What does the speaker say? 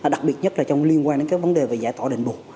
đặc biệt nhất là trong liên quan đến cái vấn đề về giải thỏa định buộc